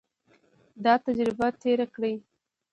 دا تجربه تېره کړي.